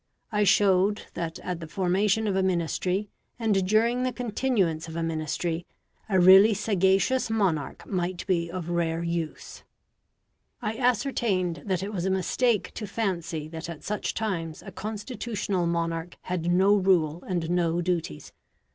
I showed that at the formation of a Ministry, and during the continuance of a Ministry, a really sagacious monarch might be of rare use. I ascertained that it was a mistake to fancy that at such times a constitutional monarch had no rule and no duties.